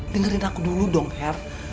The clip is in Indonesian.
dengerin aku dulu dong her